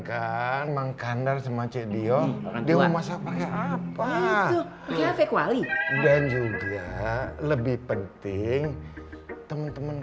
kan mang kandar sama cik dio dia mau masak pakai apa dan juga lebih penting temen temen